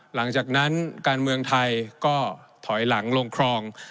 หลังจากนั้นการเมืองไทยก็ถอยหลังลงครอง